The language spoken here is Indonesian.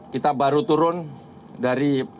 kita baru turun dari